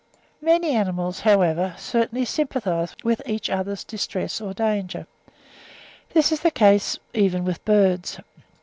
Many animals, however, certainly sympathise with each other's distress or danger. This is the case even with birds.